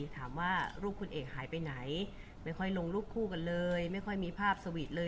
ถามว่ารูปคุณเอกหายไปไหนไม่ค่อยลงรูปคู่กันเลยไม่ค่อยมีภาพสวีทเลย